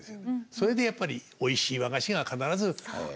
それでやっぱりおいしい和菓子が必ずあるという。